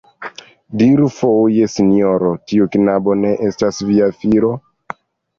Diru foje, sinjoro, tiu knabo do ne estas via filo?